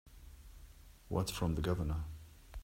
What's from the Governor?